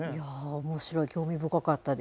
おもしろい、興味深かったです。